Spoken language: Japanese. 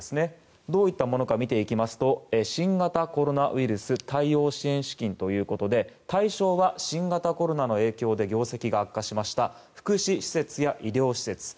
どういったものか見ていきますと新型コロナウイルス対応支援資金ということで対象は新型コロナの影響で業績が悪化しました福祉施設や医療施設。